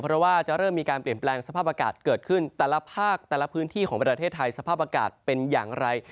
เพราะว่าจะเริ่มมีการเปลี่ยนแปลงสภาพอากาศเกิดขึ้นแต่ละภาคแต่ละพื้นที่ของประเทศไทยสภาพอากาศเป็นอย่างไร